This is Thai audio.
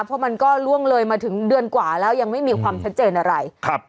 เพราะมันก็ล่วงเลยมาถึงเดือนกว่าแล้วยังไม่มีความชัดเจนอะไรครับ